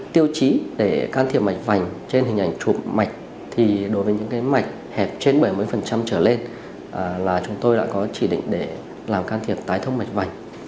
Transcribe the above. tiêu chí để can thiệp mạch vành trên hình ảnh chụp mạch thì đối với những mạch hẹp trên bảy mươi trở lên là chúng tôi đã có chỉ định để làm can thiệp tái thông mạch vành